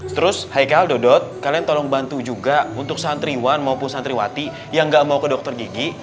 terus hikal dodot kalian tolong bantu juga untuk santriwan maupun santriwati yang gak mau ke dokter gigi